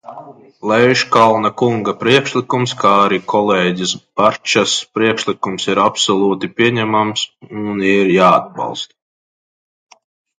Leiškalna kunga priekšlikums, kā arī kolēģes Barčas priekšlikums ir absolūti pieņemams un ir jāatbalsta.